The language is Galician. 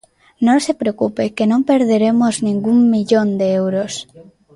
Non se preocupe que non perderemos ningún millón de euros.